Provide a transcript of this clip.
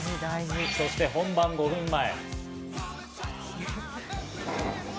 そして本番５分前。